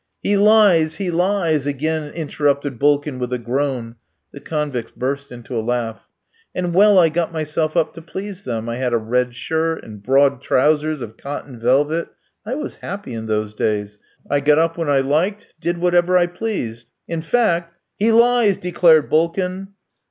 "He lies! He lies!" again interrupted Bulkin, with a groan. The convicts burst into a laugh. "And well I got myself up to please them. I had a red shirt, and broad trousers of cotton velvet. I was happy in those days. I got up when I liked; did whatever I pleased. In fact " "He lies," declared Bulkin.